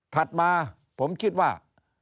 ถัดมาผมคิดว่า